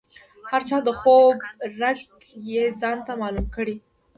هر چا د خوب رګ یې ځانته معلوم کړی وي.